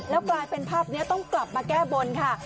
แล้วกลายเป็นภาพนี้ต้องกลับมาแก้บนค่ะ